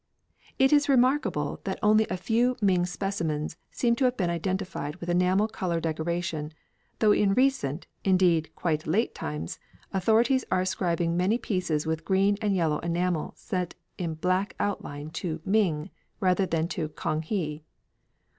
It is remarkable that only a few Ming specimens seem to have been identified with enamel colour decoration, though in recent, indeed, quite late times, authorities are ascribing many pieces with green and yellow enamel set in black outline to Ming, rather than to Kang he.